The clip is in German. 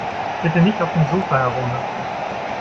Bitte nicht auf dem Sofa herumhüpfen.